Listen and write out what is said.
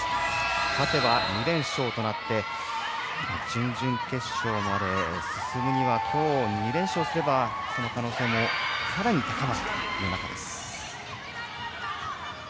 勝てば２連勝となって準々決勝まで進むには今日２連勝すれば、その可能性もさらに高まるという中です。